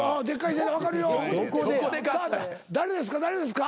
誰ですか？